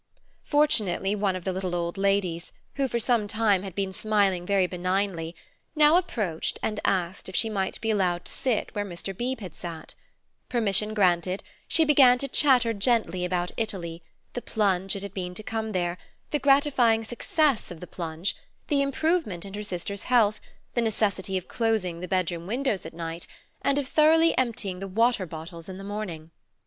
Fortunately one of the little old ladies, who for some time had been smiling very benignly, now approached and asked if she might be allowed to sit where Mr. Beebe had sat. Permission granted, she began to chatter gently about Italy, the plunge it had been to come there, the gratifying success of the plunge, the improvement in her sister's health, the necessity of closing the bed room windows at night, and of thoroughly emptying the water bottles in the morning.